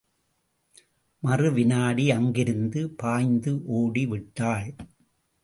மறுவிநாடி அங்கிருந்து பாய்ந்து ஓடிவிட்டாள்.